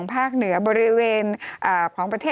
จำกัดจำนวนได้ไม่เกิน๕๐๐คนนะคะ